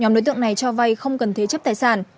nhóm đối tượng này cho vay không cần thế chấp tài sản